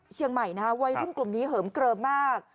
เชียงใหม่นะฮะวัยรุ่นกลุ่มนี้เหิมเกลิมมาก